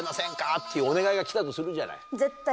いうお願いが来たとするじゃない。